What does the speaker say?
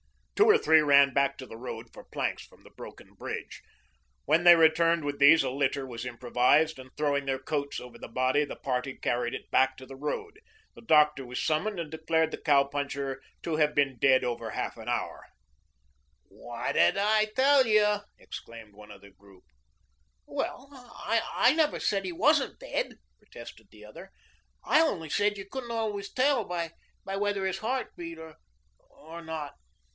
Two or three ran back to the road for planks from the broken bridge. When they returned with these a litter was improvised, and throwing their coats over the body, the party carried it back to the road. The doctor was summoned and declared the cow puncher to have been dead over half an hour. "What did I tell you?" exclaimed one of the group. "Well, I never said he wasn't dead," protested the other. "I only said you couldn't always tell by whether his heart beat or not."